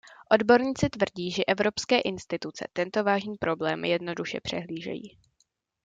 Odborníci tvrdí, že evropské instituce tento vážný problém jednoduše přehlížejí.